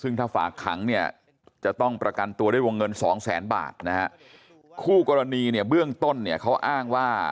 ซึ่งถ้าฝากขังเนี่ยจะต้องประกันตัวด้วยวงเงินสองแสนบาทนะฮะคู่กรณีเนี่ยเบื้องต้นเนี่ยเขาอ้างว่า